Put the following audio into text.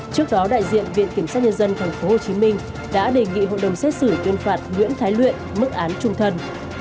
trước đó đại diện viện kiểm sát nhân dân tp hcm đã đề nghị hội đồng xét xử tuyên phạt nguyễn thái luyện mức án trung thân